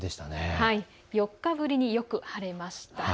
４日ぶりに、よく晴れました。